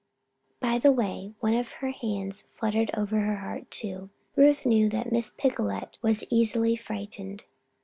By the way one of her hands fluttered over her heart, too, Ruth knew that Miss Picolet was easily frightened.